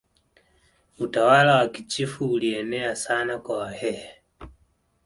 utawala wa kichifu ulienea sana kwa wahehe